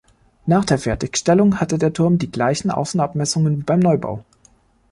Nach der Fertigstellung hatte der Turm die gleichen Außenabmessungen wie beim Neubau.